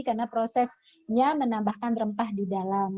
karena prosesnya menambahkan rempah di dalam